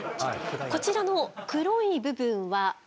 こちらの黒い部分は毛。